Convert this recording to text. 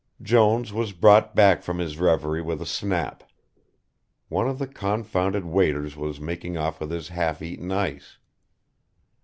Jones was brought back from his reverie with a snap. One of the confounded waiters was making off with his half eaten ice.